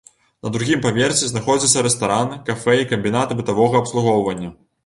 На другім паверсе знаходзяцца рэстаран, кафэ і камбінат бытавога абслугоўвання.